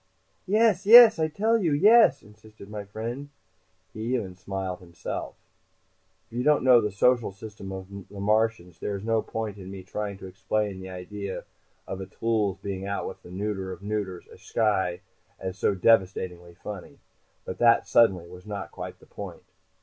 "Yes, yes, I tell you. Yes!" insisted my friend. He even smiled himself. If you don't know the social system of the Martians there is no point in my trying to explain why the idea of a tllooll's being out with that neuter of neuters, a shicai, is so devastatingly funny. But that, suddenly, was not quite the point.